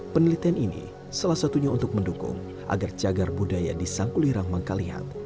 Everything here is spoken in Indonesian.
penelitian ini salah satunya untuk mendukung agar jagar budaya di sang kulirang mengkalihat